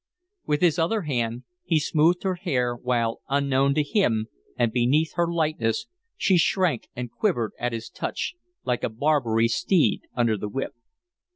With his other hand he smoothed her hair, while, unknown to him and beneath her lightness, she shrank and quivered at his touch like a Barbary steed under the whip.